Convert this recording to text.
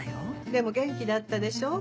でも元気だったでしょ？